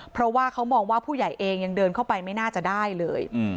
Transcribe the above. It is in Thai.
เพราะว่าเขามองว่าผู้ใหญ่เองยังเดินเข้าไปไม่น่าจะได้เลย